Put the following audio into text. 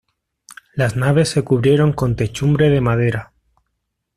Las naves se cubrieron con techumbre de madera.